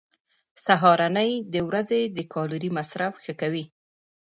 سهارنۍ د ورځې د کالوري مصرف ښه کوي.